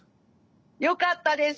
よかったです